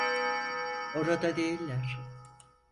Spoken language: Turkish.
Orada değiller.